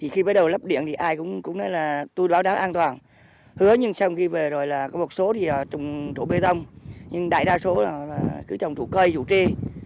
khi bắt đầu lắp điện thì ai cũng nói là tôi báo đáo an toàn hứa nhưng sau khi về rồi là có một số thì trồng trụ bê tông nhưng đại đa số là cứ trồng trụ cây trụ trê